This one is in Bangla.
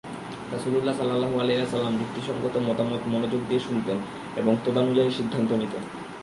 রাসূল সাল্লাল্লাহু আলাইহি ওয়াসাল্লাম যুক্তিসঙ্গত মতামত মনোযোগ দিয়ে শুনতেন এবং তদানুযায়ী সিদ্ধান্ত দিতেন।